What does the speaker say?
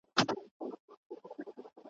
ارغوان به غوړېدلی پر کابل وي `